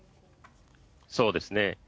そうですね。